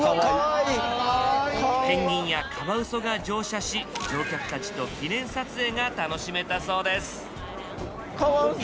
ペンギンやカワウソが乗車し乗客たちと記念撮影が楽しめたそうです。